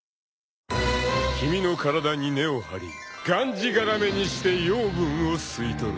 ［君の体に根を張りがんじがらめにして養分を吸い取る］